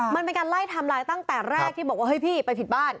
มันเป็นการไล่ทำลายตั้งแต่แรกที่บอกว่าเฮ้ยพี่ไปผิดบ้าน